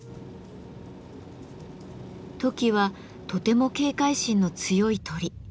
トキはとても警戒心の強い鳥。